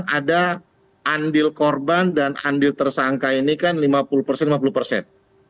ada andil korban dan andil tersangka ini kan lima puluh persen lima puluh persen